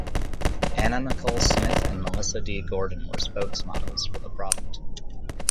Anna Nicole Smith and Melissa D. Gordon were spokesmodels for the product.